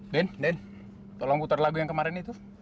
din din tolong putar lagu yang kemarin itu